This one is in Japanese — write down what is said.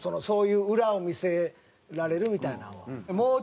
そういう裏を見せられるみたいなのは。